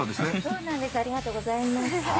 そうなんです、ありがとうございます。